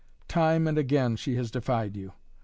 Time and again has she defied you!